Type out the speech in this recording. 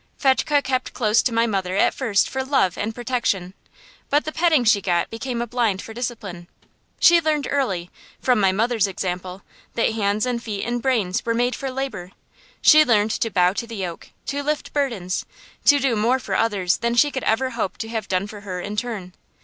Fetchke kept close to my mother at first for love and protection, but the petting she got became a blind for discipline. She learned early, from my mother's example, that hands and feet and brains were made for labor. She learned to bow to the yoke, to lift burdens, to do more for others than she could ever hope to have done for her in turn.